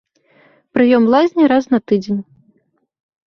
Прыём лазні раз на тыдзень.